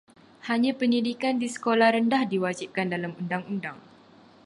Hanya pendidikan di sekolah rendah diwajibkan dalam undang-undang.